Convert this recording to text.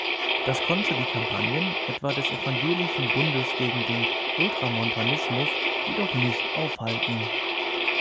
Das konnte die Kampagnen etwa des Evangelischen Bundes gegen den Ultramontanismus jedoch nicht aufhalten.